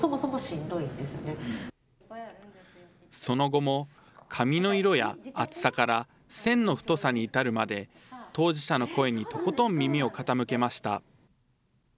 その後も、紙の色や厚さから線の太さに至るまで、当事者の声にとことん耳を傾けました。